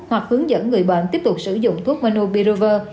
hoặc hướng dẫn người bệnh tiếp tục sử dụng thuốc monopiravir